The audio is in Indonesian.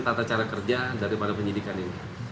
tata cara kerja dari para penyidikan ini